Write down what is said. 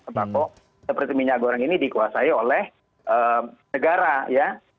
sebako seperti minyak goreng ini dikuasai oleh negara ya